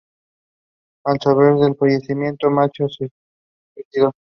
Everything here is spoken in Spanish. Al saber de su fallecimiento, Machu se suicidó.